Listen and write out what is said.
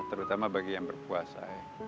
terutama bagi yang berpuasa